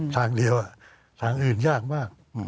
ทางเดียวทางอื่นยากมาก